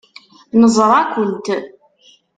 Neẓra-kent.